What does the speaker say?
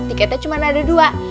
tiketnya cuma ada dua